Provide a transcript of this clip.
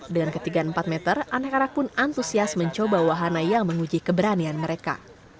dengan ketinggian empat meter anak anak pun antusias mencoba wahana yang menguji keberanian mereka